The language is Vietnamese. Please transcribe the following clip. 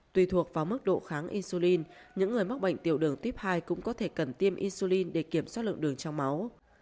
tùy thuộc vào mức độ kháng insulin những người mắc bệnh tiểu đường tiếp hai cũng có thể cần tiêm insulin để kiểm soát lượng đường trong máu